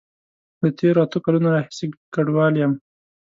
له تیرو اته کالونو راهیسی کډوال یم